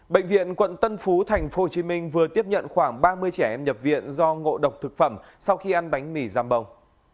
bệnh viện quận tân phú tp hcm vừa tiếp nhận khoảng ba mươi trẻ em nhập viện do ngộ độc thực phẩm sau khi ăn bánh mì rambong